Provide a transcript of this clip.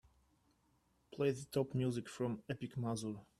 Play the top music from Epic Mazur.